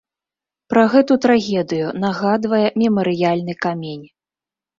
Пра гэту трагедыю нагадвае мемарыяльны камень.